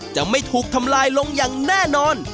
จะไม่ถูกทำลายลงอย่างแน่นอน